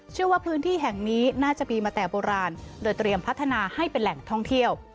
เชื่อว่าพื้นที่แห่งนี้น่าจะมีมาแต่โบราณโดยเตรียมพัฒนาให้เป็นแหล่งท่องเที่ยว